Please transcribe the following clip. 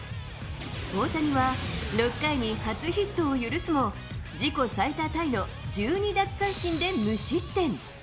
大谷は６回に初ヒットを許すも、自己最多タイの１２奪三振で無失点。